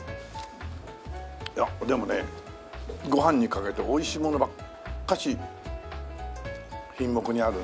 いやでもねご飯にかけるとおいしいものばっかし品目にあるね。